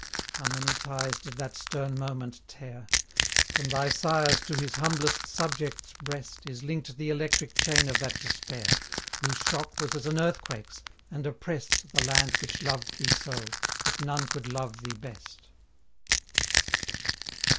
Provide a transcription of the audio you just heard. How many ties did that stern moment tear! From thy Sire's to his humblest subject's breast Is linked the electric chain of that despair, Whose shock was as an earthquake's, and oppressed The land which loved thee so, that none could love thee best.